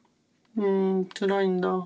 うんつらいんだ。